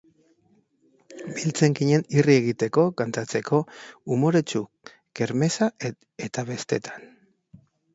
Biltzen ginen irri egiteko, kantatzeko, umoretsu, kermeza eta bestetan.